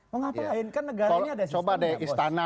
mengapain kan negara ini ada sistemnya coba deh istana